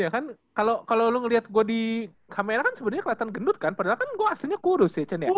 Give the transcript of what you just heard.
iya kan kalo lo liat gue di kamera kan sebenernya keliatan gendut kan padahal kan gue aslinya kurus ya cendek